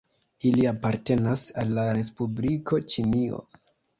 Ili apartenas al la Respubliko Ĉinio.